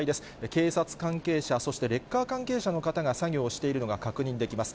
警察関係者、そしてレッカー関係者の方が作業をしているのが確認できます。